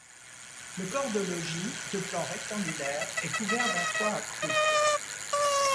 Le corps de logis, de plan rectangulaire, est couvert d'un toit à croupes.